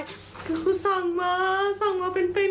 ก็สั่งมาสั่งมาเป็น